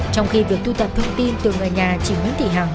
trong khi việc tu tập thông tin từ người nhà chị nguyễn thị hằng